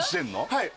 はい。